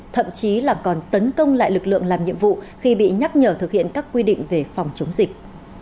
thậm chí là còn tấn công lại lực lượng làm nhiệm vụ khi bị nhắc nhở thực hiện các quy định về phòng chống dịch